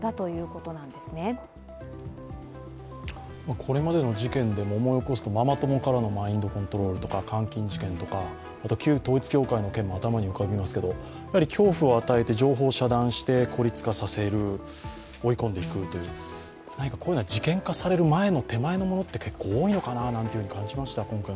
これまでの事件でも思い起こすとママ友からのマインドコントロールとか監禁事件とか、あと旧統一教会の件も頭に浮かびますけど恐怖を与えて情報を遮断して孤立化させる、追い込んでいく、こういうのは事件化される手前のものが結構多いのかななんていうふうに感じました。